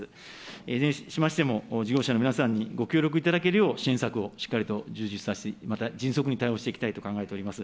いずれにしましても、事業者の皆さんにご協力いただけるよう、支援策をしっかりと充実させて、また迅速に対応していきたいと考えております。